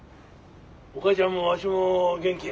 おかあちゃんもわしも元気や。